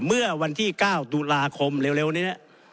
เมื่อวันที่๙ตุลาคมเร็วนี้